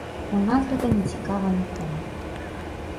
У нас гэта нецікава нікому.